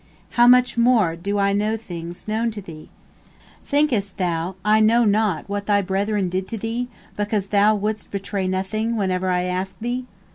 How much more do I know things known to thee! Thinkest thou I know not what thy brethren did to thee, because thou wouldst betray nothing whenever I asked thee?